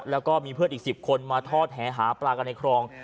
แล้วก็มีเพื่อนอีก๑๐คนมาทอดแหหาปลากันในคลอง